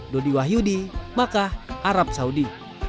dodi wahyudi makkah arab saudi